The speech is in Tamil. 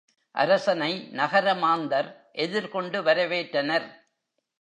அரசனை நகர மாந்தர் எதிர் கொண்டு வரவேற்றனர்.